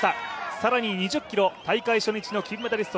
更に２０ｋｍ大会初日の金メダリスト